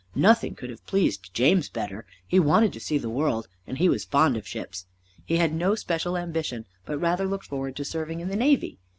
Nothing could have pleased James better. He wanted to see the world, and he was fond of ships. He had no special ambition, but rather looked forward to serving in the navy.